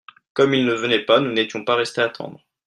Comme il ne venait pas, nous n'étions pas restés attendre.